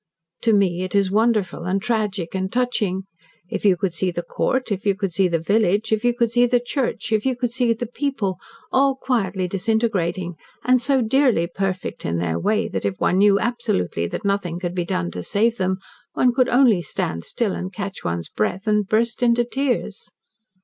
To me it is wonderful and tragic and touching. If you could see the Court, if you could see the village, if you could see the church, if you could see the people, all quietly disintegrating, and so dearly perfect in their way that if one knew absolutely that nothing could be done to save them, one could only stand still and catch one's breath and burst into tears.